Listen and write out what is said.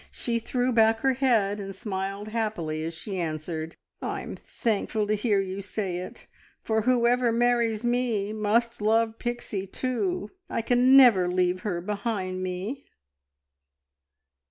She threw back her head, and smiled happily as she answered, "I'm thankful to hear you say it, for whoever marries me must love Pixie too. I can never leave her behind me!"